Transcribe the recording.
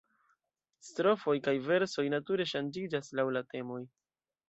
Strofoj kaj versoj nature ŝanĝiĝas laŭ la temoj.